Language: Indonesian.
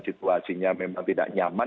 situasinya memang tidak nyaman